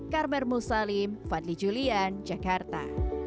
karmel musalim fadli julian jakarta